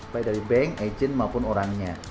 baik dari bank agent maupun orangnya